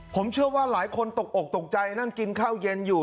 ผมเชื่อว่าหลายคนตกอกตกใจนั่งกินข้าวเย็นอยู่